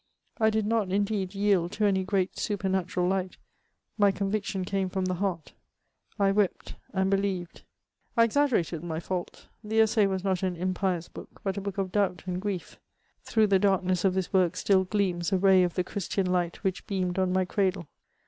I did not, indeed, yield to any great supernatural light ; my conviction came from the heart ; I wept, and believed.'' I exaggerated my fault ; the Essai was not an impious book, but a book of doubt and grief. Through the darkness of this work still gleams a ray of the Christian light which beamed on my cradle.